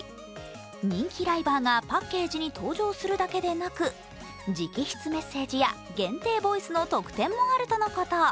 人気ライバーがパッケージに登場するだけでなく直筆メッセージや限定ボイスの特典もあるとのこと。